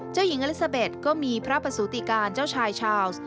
เจ้าหญิงอลิซาเบ็ดก็มีพระประสูติการเจ้าชายชาวส์